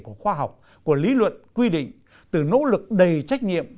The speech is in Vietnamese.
của khoa học của lý luận quy định từ nỗ lực đầy trách nhiệm